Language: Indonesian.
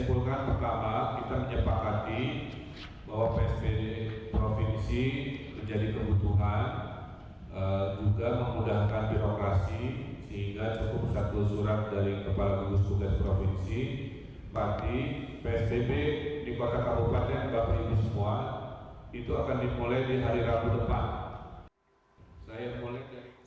berarti psbb di kota kabupaten kota perindu semua itu akan dimulai di hari rabu depan